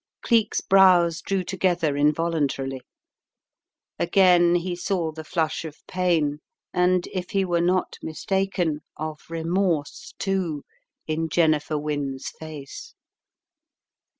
Cleek's brows drew together involuntarily. Again he saw the flush of pain, and if he were not mistaken of remorse too, in Jennifer Wynne's face.